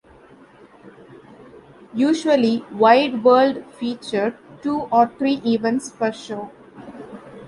Usually, "Wide World" featured two or three events per show.